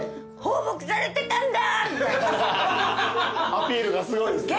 アピールがすごいですね。